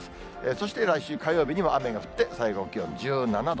そして来週火曜日には雨が降って最高気温１７度。